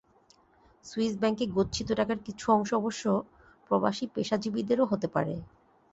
Swiss ব্যাংকে গচ্ছিত টাকার কিছু অংশ অবশ্য প্রবাসী পেশাজীবীদেরও হতে পারে।